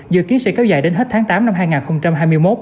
dự kiến sẽ kéo dài đến hết tháng tám năm hai nghìn hai mươi một